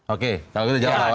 oke kalau gitu jawab pak wayan